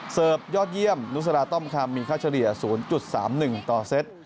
ยอดเยี่ยมนุสราต้อมคำมีค่าเฉลี่ย๐๓๑ต่อเซต